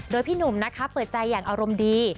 โดยพี่หนุ่มนะคะเปิดใจอย่างอารมณ์ดี